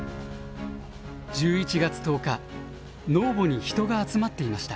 １１月１０日ｎｕｏｖｏに人が集まっていました。